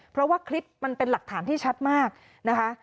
เพราะว่าคลิปมันเป็นหลักฐานที่ชัดมากนะคะ